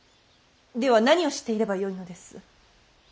では何をしていればよいのです。